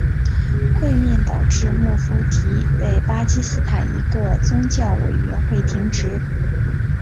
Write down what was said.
会面导致穆夫提被巴基斯坦一个宗教委员会停职。